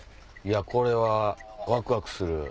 これはワクワクする。